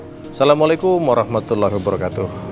assalamualaikum warahmatullahi wabarakatuh